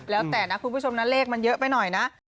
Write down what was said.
แล้วแต่นะคุณผู้ชมนะเลขมันเยอะไปหน่อยนะ